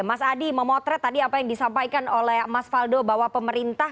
mas adi memotret tadi apa yang disampaikan oleh mas faldo bahwa pemerintah